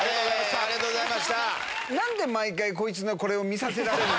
ありがとうございます。